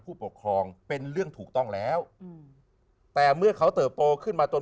ผู้ปกครองเป็นเรื่องถูกต้องแล้วอืมแต่เมื่อเขาเติบโตขึ้นมาจน